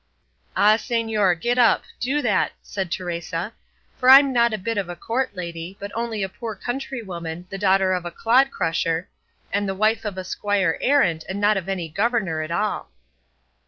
"Ah, señor, get up, do that," said Teresa; "for I'm not a bit of a court lady, but only a poor country woman, the daughter of a clodcrusher, and the wife of a squire errant and not of any governor at all."